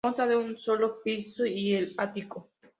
Consta de un solo piso y el ático.